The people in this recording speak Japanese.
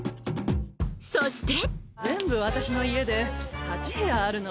そして！